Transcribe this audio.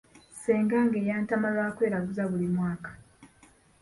Ssengange yantama lwa kweraguzanga buli mwaka.